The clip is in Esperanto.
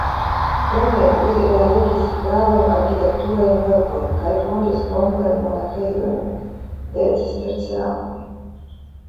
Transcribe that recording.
Krome li realigis gravajn arkitekturajn verkojn kaj fondis nombrajn monaĥejojn de Cistercianoj.